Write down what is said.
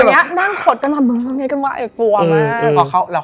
นั่งโขดกันเหมือนมึงว่าไงกันวะไอ้กลัวมาก